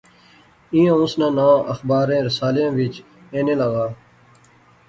ایہھاں اس ناں ناں اخباریں رسالیا وچ اینے لاغا